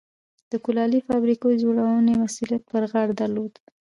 د کولالۍ فابریکو د جوړونې مسوولیت پر غاړه درلود.